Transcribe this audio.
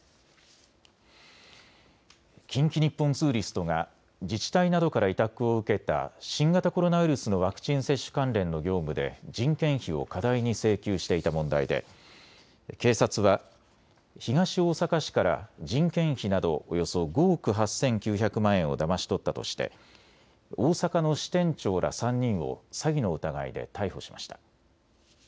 近畿日本ツーリストが自治体などから委託を受けた新型コロナウイルスのワクチン接種関連の業務で人件費を過大に請求していた問題で警察は東大阪市から人件費などおよそ５億８９００万円をだまし取ったとして大阪の支店長ら３人を詐欺の疑いで逮捕しました。